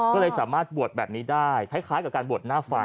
ก็เลยสามารถบวชแบบนี้ได้คล้ายกับการบวชหน้าไฟ